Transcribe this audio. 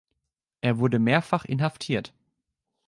Er wurde mehrfach inhaftiert.